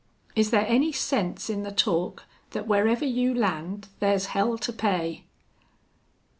Is there any sense in the talk thet wherever you land there's hell to pay?"